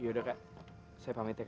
yaudah kak saya pamit ya kak